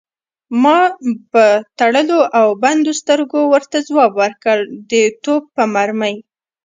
ما په تړلو او بندو سترګو ورته ځواب ورکړ: د توپ په مرمۍ.